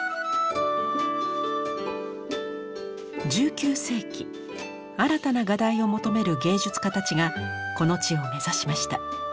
１９世紀新たな画題を求める芸術家たちがこの地を目指しました。